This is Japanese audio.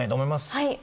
はい！